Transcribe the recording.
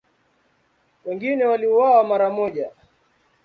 Wengine waliuawa mara moja.